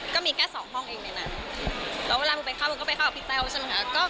ก็มีแค่สองห้องเองในนั้นแล้วเวลามึงไปเข้ามันก็ไปเข้ากับพี่แต้วใช่ไหมคะ